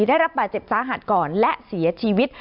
ได้รับบาดเจ็บสาหัสก่อนและเสียชีวิต